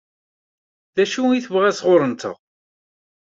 D acu i tebɣa sɣur-nteɣ?